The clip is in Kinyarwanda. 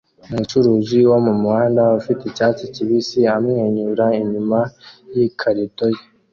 Umucuruzi wo mumuhanda ufite icyatsi kibisi amwenyura inyuma yikarito ye